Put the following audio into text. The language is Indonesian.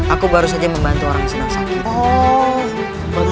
aku baru saja membantu orang senang sakit